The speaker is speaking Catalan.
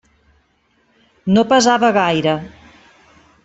No pesava gaire.